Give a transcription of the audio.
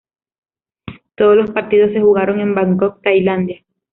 Todos los partidos se jugaron en Bangkok, Tailandia.